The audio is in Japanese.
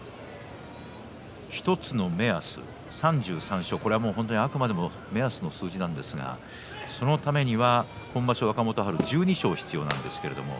１つの目安、３３勝これはあくまでも１つの目安とする数字なんですがこのためには今場所、若元春は１２勝必要です。